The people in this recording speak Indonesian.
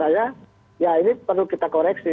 ya ini perlu kita koreksi